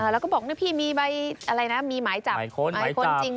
แล้วก็บอกพี่มีใบมีหมายจับหมายคนจริงหรือเปล่า